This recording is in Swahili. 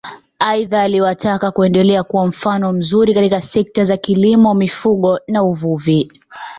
Aidha aliwataka kuendelea kuwa mfano mzuri katika sekta za kilimo mifugo na uvuvi